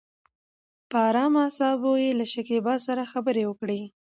په ارامه اصابو يې له شکيبا سره خبرې وکړې.